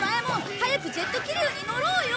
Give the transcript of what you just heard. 早くジェット気流にのろうよ！